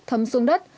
thấm xuống đất